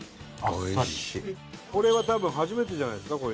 これは多分初めてじゃないですか？